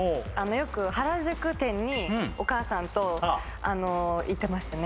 よく原宿店にお母さんと行ってましたね